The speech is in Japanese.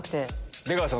出川さん